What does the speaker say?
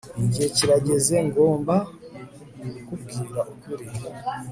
Igihe kirageze ngomba kukubwiza ukuri